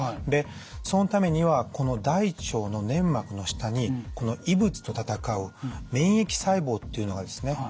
でそのためにはこの大腸の粘膜の下にこの異物と戦う免疫細胞っていうのがですね